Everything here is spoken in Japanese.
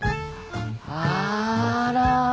あら。